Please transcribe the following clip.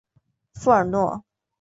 富尔诺。